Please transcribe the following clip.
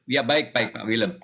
ya baik pak william